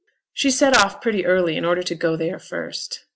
She set off pretty early in order to go there first.